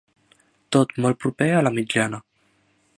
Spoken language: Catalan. Tot molt proper a la mitjana.